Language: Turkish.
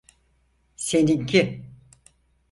Seninki.